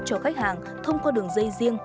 cho khách hàng thông qua đường dây riêng